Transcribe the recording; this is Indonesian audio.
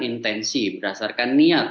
intensi berdasarkan niat